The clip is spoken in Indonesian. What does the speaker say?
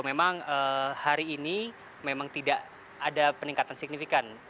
memang hari ini memang tidak ada peningkatan signifikan